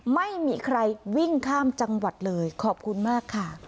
ไม่มีใครวิ่งข้ามจังหวัดเลยขอบคุณมากค่ะ